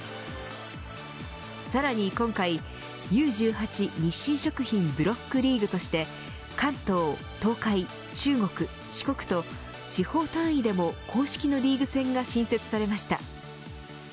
さらに今回Ｕ１８日清食品ブロックリーグとして関東、東海、中国、四国と地方単位でも公式のリーグ戦が新設されました。